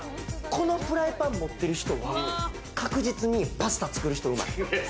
このフライパン持ってる人は、確実にパスタ作るのうまい人。